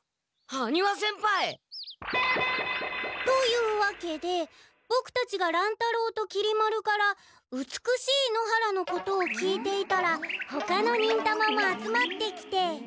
羽丹羽先輩！というわけでボクたちが乱太郎ときり丸から美しい野原のことを聞いていたらほかの忍たまも集まってきて。